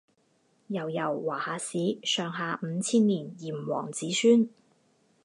悠悠华夏史上下五千年炎黄子孙